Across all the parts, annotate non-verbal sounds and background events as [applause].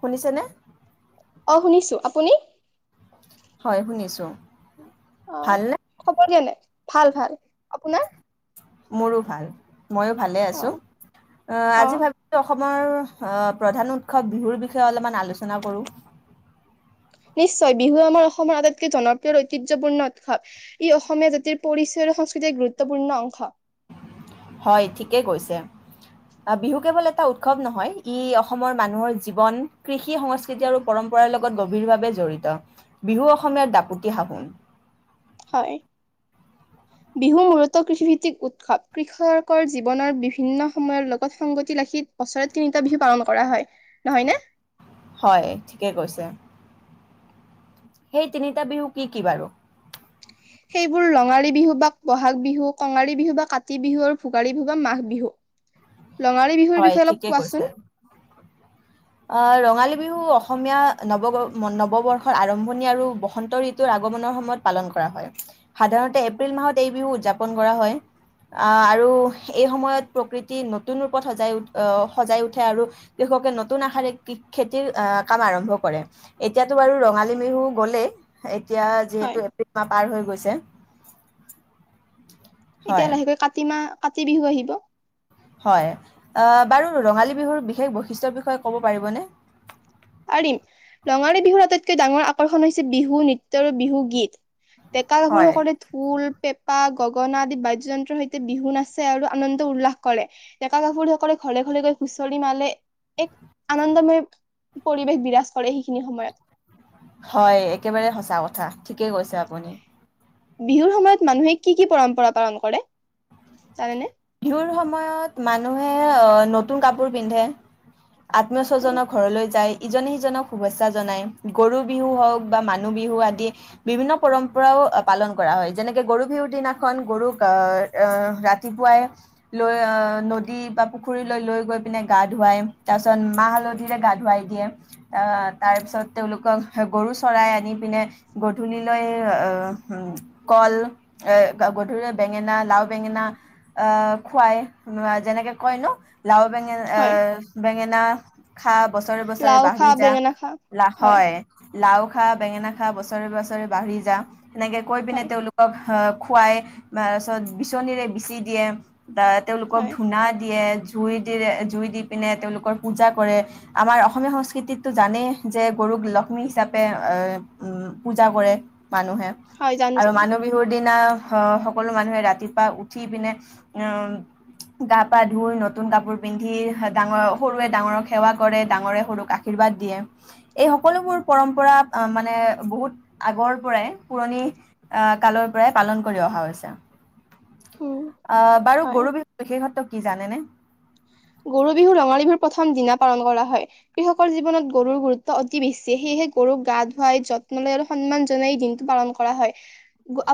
শুনিছেনে অ শুনিছো আপুনি হয় শুনিছো ভাল নে ক' দিয়া নে ভাল ভাল আপোনাৰ মোৰো ভাল ময়ো ভালে অ আছো অ আজি ভাবো অসম অসমৰ আহ প্ৰধান উৎসৱ বিহুৰ বিষয়ে অলপমান আলোচনা কৰোঁ নিশ্চয় বিহু আমাৰ অসমৰ আটাইতকৈ জনপ্ৰিয় ঐতিহ্যপূৰ্ণ উৎসৱ ই অসমীয়া জাতিৰ পৰিচয় আৰু সংস্কৃতিৰ গুৰুত্বপূৰ্ণ অংশ হয় ঠিকেই গৈছে বিহু কেৱল এটা উৎসৱ নহয় ই অসমৰ মানুহৰ জীৱন কৃষি সংস্কৃতি আৰু পৰম্পৰাৰ লগত গভীৰভাৱে জড়িত বিহু অসমীয়াৰ দাপতি সাহোন হয় বিহু মূলত কৃষিভিত্তিক উৎসৱ কৃষকৰ জীৱনৰ বিভিন্ন সময়ৰ লগত সংগতি ৰাখি বছৰত তিনিটা বিহু পালন কৰা হয় নহয়নে হয় ঠিকে কৈছে সেই তিনিটা বিহু কি কি বাৰু সেইবোৰ ৰঙালী বিহু বা বহাগ বিহু কঙালী বিহু বা কাতি বিহু আৰু ভোগালী বিহু বা মাঘ বিহু ৰঙালী বিহুৰ হয় বিষয়ে অলপ ঠিকে কোৱাচোন কৈছে আৰু অ ৰঙালী বিহু অসমীয়া নৱ নৱবৰ্ষৰ আৰম্ভণি আৰু বসন্ত ঋতুৰ আগমনৰ সময়ত পালন কৰা হয় সাধাৰণতে এপ্ৰিল মাহত এই বিহু উদযাপন কৰা হয় আহ আৰু এই সময়ত প্ৰকৃতি নতুন সজাই উ আহ সজাই উঠে আৰু কৃষকে নতুন আশাৰে খেতিৰ আহ কাম আৰম্ভ কৰে এতিয়াতো বাৰ ৰঙালী বিহু গলেই এতিয়া হয় যিহেতু এপ্ৰিল মাহ পাৰ হৈ গৈছে ছে এতিয়া লাহেকৈ কাটি মা কাতি বিহু আহিব হয় বাৰু ৰঙালী বিহুৰ বিশেষ বৈশিষ্ট্যৰ বিষয়ে ক'ব পাৰিবনে পাৰিম ৰঙালী বিহুৰ আটাইতকৈ ডাঙৰ আকৰ্ষণ হৈছে বিহু নৃত্য আৰু বিহু গীত ডেকা গাভৰু হয় সকলে ঢোল পেপা গগনা আদি বাদ্যয়যন্ত্ৰৰ সৈতে বিহু নাচে আৰু আনন্দ উল্লাস কৰে ডেকা গাভৰু সকলে ঘৰে ঘৰে গৈ হুঁচৰি মালে এক আনন্দময় পৰিৱেশ বিৰাজ কৰে সেইখিনি সময়ত হয় একেবাৰে সঁচা কথা ঠিকেই কৈছে আপুনি বিহুৰ সময়ত মানুহে কি কি পৰম্পৰা পালন কৰে জানেনে বিহুৰ সময়ত মানুহে নতুন কাপোৰ পিন্ধে আত্মীয়স্বজক ঘৰলৈ যায় ইজনে সিজনক শুভেচ্ছা জনায় গৰু বিহু হওক বা মানুহ বিহু আদি বিভিন্ন পৰম্পৰাও পালন কৰা হয় যেনেকৈ গৰু বিহুৰ দিনাখন গৰুক ৰাতিপুৱাই। লৈ আহ নদী বা পুখুৰীলৈ লৈ গৈ পিনে গা ধুৱাই তাৰ পিছত মাহ হালধিৰে গা ধুৱাই দিয়ে আহ তাৰ পিছত তেওঁলোকক গৰু চৰাই আনি পিনে গধূলিলৈ অহ, কল এ গধূুৰ বেঙেনা লাও বেঙেনা অহ খুৱাই যেনেকে কয় ন। লাও বেঙেনা হয়, বেঙেনা খা বছৰে বছৰে লাও খা, বাঢ়ি যা বেঙেনা খা বোলি হয়। লাও খা বেঙেনা খা বছৰে বছৰে বাঢ়ি যা। সেনেকে কৈ পিনে হয়, তেওঁলোকক আহ খুৱাই তাৰপিছত বিচনীৰে বিচি দিয়ে। বা তেওঁলোকক হয়, ধূনা দিয়ে, জুই দি জুই দি পিনে তেওঁলোকৰ পূজা কৰে আমাৰ অসমীয়া সংস্কৃতিতো জানেই যে গৰুক লক্ষ্মী হিচাপে আহ পূজা কৰে। মানুহে হয় জানো আৰু জানো মানুহ বিহুৰ দি দিনা সকলো মানুহে ৰাতিপুৱা উঠি পিনে উম গা পা ধুই নতুন কাপোৰ পিন্ধি ডাঙৰ সৰুৱে ডাঙৰক সেৱা কৰে ডাঙৰে সৰুক আশীৰ্বাদ দিয়ে এই সকলোবোৰ পৰম্পৰা মানে বহুত আগৰ পৰাই পুৰণি আহ কালৰ পৰাই পালন কৰি অহা হৈছে। উম, অ বাৰু হয়। গৰু বিহু বিশেষত্ব। কি জানেনে গৰু বিহু ৰঙালী বিহুৰ প্ৰথম দিনা পালন কৰা হয় কৃষকৰ জীৱনত গৰুৰ গুৰুত্ব অতি বেছি সেয়েহে গৰুক গা ধুৱাই যত্ন লৈ আৰু সন্মান জনাই দিনটো পালন কৰা হয়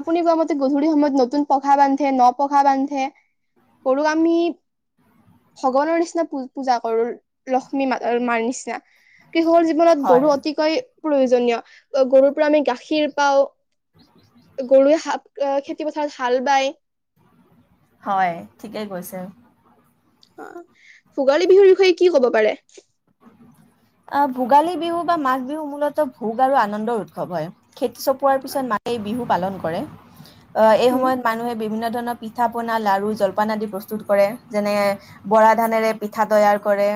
আপুনি কোৱা মতে গধূলি সময়ত নতুন পঘা বান্ধে ন পঘা বান্ধে গৰুক আমি ভগৱানৰ নিচিনা প পূজা কৰো লক্ষ্মী মা মাৰ নিচিনা। সিহুৰ জীৱনত হয় গৰু অতিকৈ প্ৰয়োজনীয় গৰুৰ পৰা আমি গাখীৰ পাওঁ গৰুৱে খেতি পথাৰত হাল বায়। হয় ঠিকেই কৈছে অ ভোগালী বিহুৰ বিষয়ে কি কব পাৰে? অ ভোগালী বিহু বা মাঘ বিহু মূলত ভোগ আৰু আনন্দৰ উৎসৱ হয়। খেতি চপোৱাৰ পিছত হয় মায়ে বিহু পালন কৰে। অ এই উম সময়ত মানুহে বিভিন্ন ধৰণৰ পিঠা পনা লাৰু জলপান আদি প্ৰস্তুত কৰে যেনে বৰা ধানেৰে পিঠা তৈয়াৰ কৰে।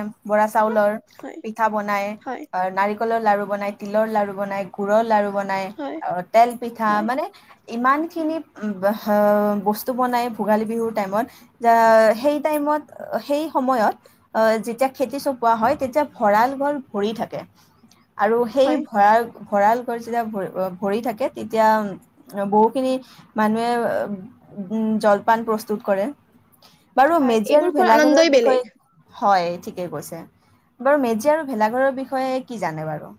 চাউলৰ হয় পিঠা বনাই হয় নাৰিকল ৰ লাৰু বন তিলৰ লাৰু বন গুডুৰৰ লাৰু বনাই হয় আৰু তেল পিঠা হয় মানে ইমানখিনি বস্তু বনাই ভোগালী বিহুৰ টাইমত সেই টাইমত সেই সময়ত যেতিয়া খেতি চ কোৱা হয় তেতিয়া ভঁৰাল ভল ভৰি থাকে। আৰু সেই হয়। ভঁৰা ভঁৰাল যেতিয়া ভৰি থাকে তেতিয়া বহুখিনি মানুহে উ জলপান প্ৰস্তুত কৰে। বাৰু হয়, মেজি এইবোৰ আৰু খোৱাৰ আনন্দই ভেলাঘৰৰ বেলেগ। বিষয়ে হয় ঠিকেই কৈছে বাৰু মেজি আৰু ভেলাঘৰৰ বিষয়ে কি জানে বাৰু?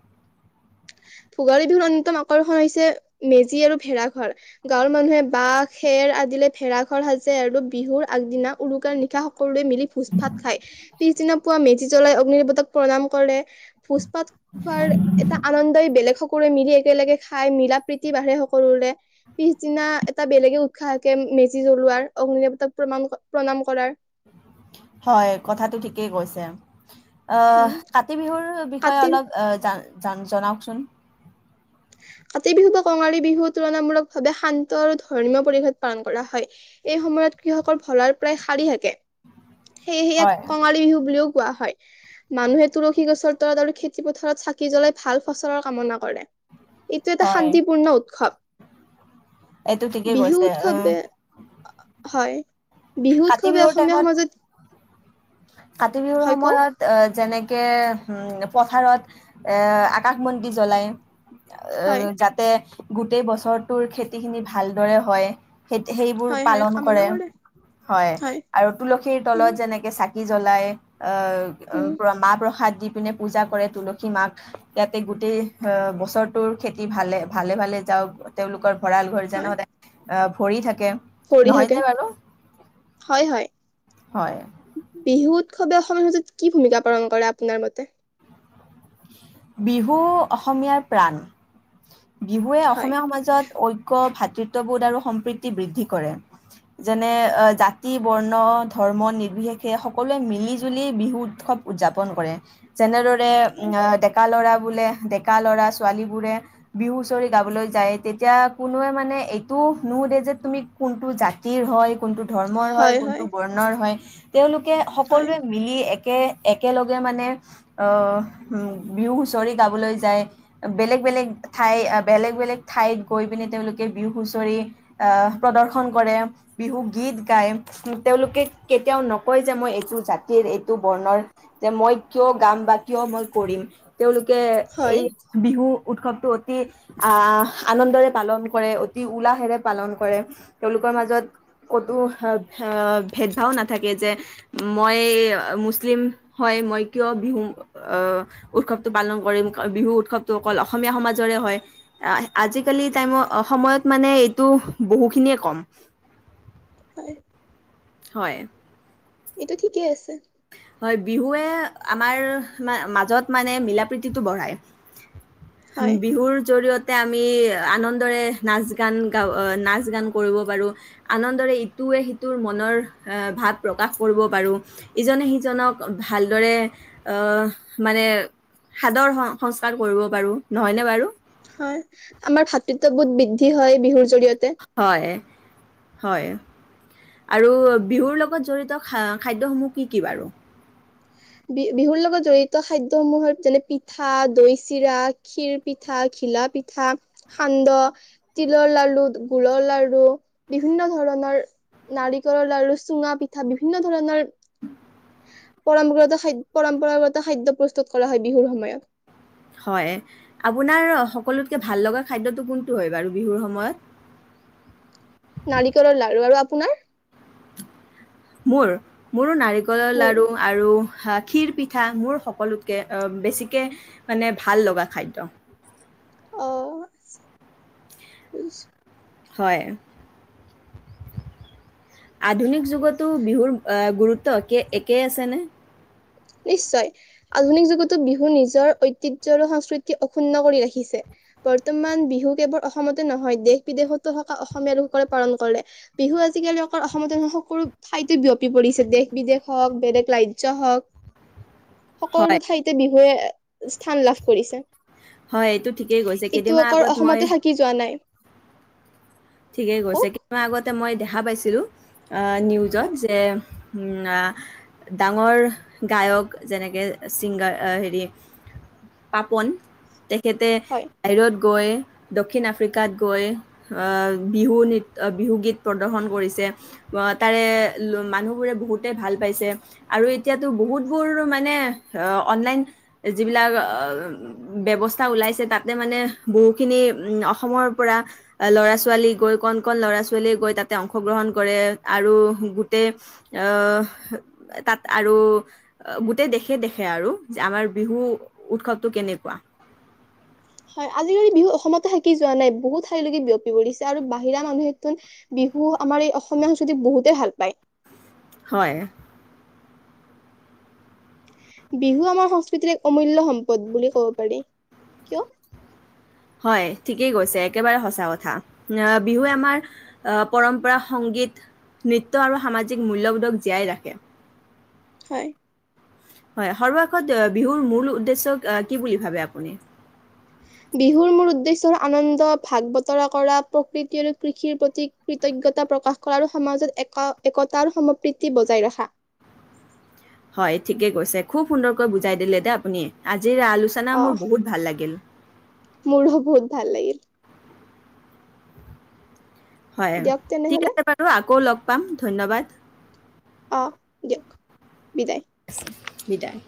ভোগালী বিহুৰ অন্যতম আকৰ্ষণ হৈছে মেজি আৰু ভেড়া ঘৰ গাঁৱৰ মানুহে বাঁহ খেৰ আদিলে ভেড়া ঘৰ সাজে আৰু বিহুৰ আগদিনা উৰুকাৰ নিশা, ৰুৱৰে মিলি ভোজ ফাত খায় । পিছদিনা পুৱা মে তীজ্বলাই অগ্নি দেৱতাক প্ৰণাম কৰে । ভোজ বাত খোৱাৰ এটা আনন্দই বেলেগ সকলোৰে মিলি একেলগে খাই মিলা প্ৰীতি বাঢ়ে সকলোৰে পিছদিনা এটা বেলেগে উৎসাহাকে মেজি জ্বলোৱাৰ অগ্নি দেৱতাক প্ৰাম প্ৰণাম কৰ হয় কথাটো ঠিকেই কৈছে । অ উম, কাতি বিহুৰ বিষয়ে কাতি অলপ জান জাম জনাওকচোন কাতি বিহু বা কঙালী বিহু তুলনামূলকভাৱে শান্ত আৰু ধৰ্মীয় পৰিৱেশ পালন কৰা হয় এই সময়ত কৃষকৰ ভঁৰাল প্ৰায় খালী থাকে। সেয়েহে ইয়াক হয় কঙালী বিহু বুলিও। কোৱা হয়, মানুহে তুলসী গছৰ তলত আৰু খেতি পথাৰত চাকি জ্বলাই ভাল ফচলৰ কামনা কৰে। এইটো এটা হয় শান্তিপূৰ্ণ উৎসৱ। এইটো ঠিকেই বিহু কৈছে উৎসৱ আহ, হয় বিহু কাতি উৎসৱে বিহুৰ অসমীয়া টাইমত সমাজত। কাতি বিহুৰ হয় কওক সময়ত অ যেনেকে ম পথাৰত এ আকাশ বন্তি জ্বলায়। হয় অ যাতে গোটেই বছৰটোৰ খেতি খিনি ভালদৰে হয়। সেই সেইবোৰ হয় হয় পালন কামনা কৰে। হয় আৰু তুলসীৰ উম তলত যেনেকে চাকি জ্বলাই। উম মাহ প্ৰসাদ দি পিনে পূজা কৰে তুলসী মাক ইয়াতে গোটেই আহ বছৰটোৰ খেতি ভালে ভালে ভালে যাওক তেওঁলোকৰ। ভঁৰাল ঘৰ জানো হয় অ ভৰি থাকে কৰি নহয় থাকে নে বাৰু। হয় হয়। হয় বিহু উৎসৱে অসমীয়া সমাজত কি ভূমিকা পালন কৰে, আপোনাৰ মতে? বিহু অসমীয়াৰ প্ৰাণ। বিহুৱে হয় অসমীয়া সমাজত ঐক্য ভাত। তৃত্ববোধআৰু সম্প্ৰীতি বৃদ্ধি কৰে যেনে জাতি বৰ্ণ ধৰ্ম নিৰ্বিশেষে সকলোৱে মিলি জুলি বিহু উৎসৱ উদযাপন কৰে যেনেদৰে। উ হয় ডেকা ল'ৰা। বোলে ডেকা ল'ৰা ছোৱালী বোৰে বিহু হুঁচৰি গাবলৈ যায় তেতিয়া কোনোৱে মানে এইটো নোসুধে যে তুমি কোনটো জাতিৰ হয়। কোনটো ধৰ্মৰ হয় কোনটো বৰ্ণৰ হয়। তেওঁলোক। তেওঁলোকে হয়, সকলোৱে মিলি এক একে একেলগে মানে অ। হুম। বিহু হুঁচৰি গাবলৈ যায়। বেলেগ বেলেগ ঠাই বেলেগ বেলেগ ঠাইত গৈ পিনে তেওঁলোকে বিহু হুঁচৰি আহ প্ৰদৰ্শন কৰে। বিহু গীত গায়। তেওঁলোকে কেতিয়াও নকয় যে মই এইটো জাতিৰ, এইটো বৰ্ণৰ যে মই কিয় গাম বা কিয় মই কৰিম তেওঁলোক তেওঁৰ লোকে হয়, এই বিহু উৎসৱটো অতি আ - আনন্দৰে পালন কৰে। অতি উলাহেৰে পালন কৰে। তেওঁলোকৰ মাজত ক'তো ভেদভাৱ নাথাকে যে মই মুছলিম হয় মই কিয় বিহু অ উৎসৱটো পালন কৰিম। বিহু উৎসৱটো অকল অসমীয়া সমাজৰে হয় আহ আজিকালি টাইমত সময়ত মানে এইটো বহুখিনিয়ে কম হয়, হয়। এইটো ঠিকে আছে। হয় । বিহুৱে আমাৰ মা-মাজত মানে মিলা প্ৰীতিটো বঢ়ায়। হয়, বিহুৰ জৰিয়তে তে আমি আনন্দৰে নাচ গান গাওঁ, নাচ গান কৰিব পাৰোঁ। আনন্দৰে ইটোৱে সিটোৰ মনৰ এ ভাৱ প্ৰকাশ কৰিব পাৰোঁ। ইজনে সিজনক ভালদৰে অ মানে সাদৰ সংস্ক হয়। আমাৰ ভাতৃত্ববোধ বহুত বি বৃদ্ধি হয় বিহুৰ জৰিয়তে। হয়। হয়। আৰু বিহুৰ লগত জড়িত খাদ্যসমূহ কি কি বাৰু? বি - বিহুৰ লগত জড়িত খাদ্যসমূহত যেনে পিঠা, দৈ চিৰা, খীৰ পিঠা, ঘিলা পিঠা, সান্দহ, তিলৰ লাৰু, গুৰৰ লাৰু বিভিন্ন ধৰণৰ নাৰিকলৰ লাৰু, চুঙা পিঠা বিভিন্ন ধৰণৰ পৰম্পৰাগত খাদ্য - পৰম্পৰাগত খাদ্য প্ৰস্তুত কৰা হয় বিহুৰ সময়ত। হয়। আপোনাৰ সকলোতকে ভাল লগা খাদ্যটো কোনটো হয় বাৰু বিহুৰ সময়ত? নাৰিকলৰ লাৰু আৰু আপ আপোনাৰ মোৰ। মোৰো নাৰি কলৰ মোৰ আৰু লাৰু গাখীৰ পিঠা মোৰ সকলোতকে অ বেছিকে মানে ভাল লগা খাদ্য। অ' বুজিছোঁ। হয়। আধুনিক যুগতো বিহুৰ অ গুৰুত্ব কে - একে আছেনে? নিশ্চয়। আধুনিক যুগতো বিহু নিজৰ ঐতিহ্য আৰু সংস্কৃতি অক্ষুন্ন কৰি ৰাখিছে। বৰ্তমান বিহু কেৱল অসমতে নহয় দেশ বিদেশতো থকা অসমীয়া লোকসকলে পালন কৰে। বিহু আজিকালি অকল অসমতে নহয় সকলো ঠাইতে বিয়পি পৰিছে। দেশ বিদেশ হওঁক, বেলেগ ৰাজ্য হওঁক। সকলো হয়, ঠাইতে বিহুৱে স্থান লাভ কৰিছে। হয়। এইটো ঠিকেই গৈছে ইটো কেইদিন মান অকল আগত মই অসমতে থাকি যোৱা নাই ঠিকেই কৈছে কওক [unintelligible] আগতে মই দেখা পাইছিলো। অ নিউজত হয় যে উম আ ডাঙৰ গায়ক যেনেকে ছিংগাৰ অ হেৰি পাপন হেতে হয়। বাহিৰত গৈ দক্ষিণ আফ্ৰিকাত গৈ অ । বিহু নৃত্য অ বিহু গীত প্ৰদৰ্শন কৰিছে। অ তাৰে ল- মানুহবোৰে বহুতে ভাল পাইছে আৰু এতিয়াতো বহুতবোৰ মানে অ -অনলাইন যিবিলাক অ ব্যৱস্থা ওলাইছে, তাতে মানে বহুখিনি উম অসমৰ পৰা অ ল'ৰা ছোৱালীক গৈ কণ-কণ ল'ৰা ছোৱালীয়ে গৈ তাতে অংশগ্ৰহণ কৰে, আৰু গোটেই তাত আৰু গোটেই দেশে-দেশে আৰু যে আমাৰ বিহু উৎসৱটো কেনেকুৱা হয়', আজিকালি বিহু অসমতে থাকি যোৱা নাই, বহুত ঠাইলৈকে বিয়পি পৰিছে আৰু বাহিৰা মানুহেতোন বিহু আমাৰ এই অসমীয়া সংস্কৃতিত বহুতেই ভাল পায়। হয়', বিহু আমাৰ সংস্কৃতিৰ এক অমূল্য-সম্পদ বুলি কব পাৰি কিয়? হয়', ঠিকেই কৈছে একেবাৰে সঁচা কথা, বিহুৱে আমাৰ পৰম্পৰা সংগীত- নৃত্য আৰু সামাজিক মূল্যবোধক জীয়াই ৰাখে। হয়', হয়', সৰ্বশেষত বিহুৰ মূল উদ্দেশ্য কি বুলি ভাবে আপুনি? বিহুৰ মূল উদ্দেশ্য হল- আনন্দ ভাগ-বতৰা কৰা প্ৰকৃতি আৰু কৃষিৰ প্ৰতি কৃতজ্ঞতা প্ৰকাশ কৰা আৰু সমাজত এক-একতা আৰু সমপ্ৰীতি বজাই ৰখা। হয়', ঠিকে কৈছে খুব সুন্দৰকৈ বুজাই দিলে দে', আপুনি। আজিৰ আলোচনা মোৰ আহ', বহুত ভাল লাগিল। ম়োৰো বহুত ভাল লাগিল। হয়', দিয়ক ঠিক তেনেহলে আছে বাৰু আকৌ লগ, পাম ধন্যবাদ। অহ', দিয়ক বিদায়। বিদায়।